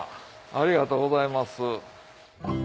ありがとうございます。